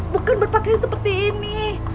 bukan berpakean seperti ini